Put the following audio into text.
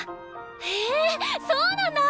へえそうなんだ！